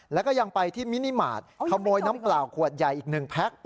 แล้วก็ยังไปที่มินิมาตรขโมยน้ำเปล่าขวดใหญ่อีก๑แพ็ค